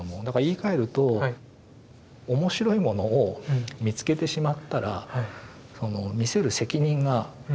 だから言いかえると面白いものを見つけてしまったら見せる責任がある。